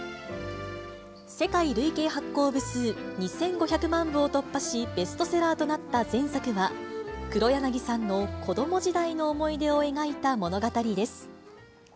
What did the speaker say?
世界累計発行部数２５００万部を突破し、ベストセラーとなった前作は、黒柳さんの子ども時代の思い出を描いた物語です。